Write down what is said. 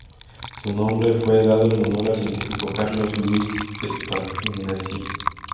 Su nombre fue dado en honor al científico Carlos Luis Spegazzini.